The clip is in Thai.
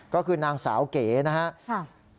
ก็คือนางสาวเก๋นะครับ